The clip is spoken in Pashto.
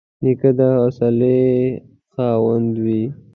نیکه د حوصلې خاوند وي.